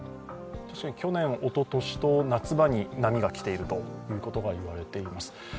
去年、おととしと夏場に波が来ているということが言われています。